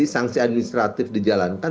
sangsi administratif dijalankan